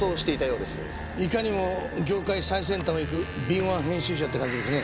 いかにも業界最先端を行く敏腕編集者って感じですね。